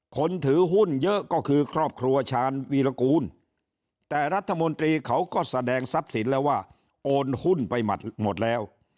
คนถือหุ้นเยอะก็คือครอบครัวชาญวีรกูลแต่รัฐมนตรีเขาก็แสดงทรัพย์สินแล้วว่าโอนหุ้นไปหมดแล้ว